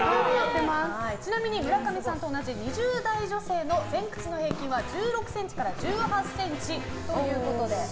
ちなみに、村上さんと同じ２０代女性の前屈の平均は１６ｃｍから１８ｃｍということです。